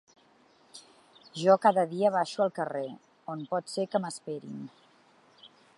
Jo cada dia baixo al carrer, on pot ser que m’esperin.